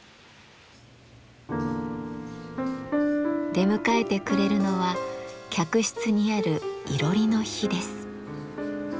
出迎えてくれるのは客室にある囲炉裏の火です。